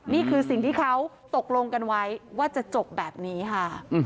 นี่คือสิ่งที่เขาตกลงกันไว้ว่าจะจบแบบนี้ค่ะ